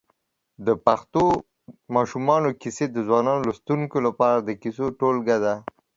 د پښتو ماشومانو کیسې د ځوانو لوستونکو لپاره د کیسو ټولګه ده.